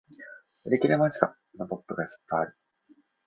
売り切れ間近！のポップがずっとある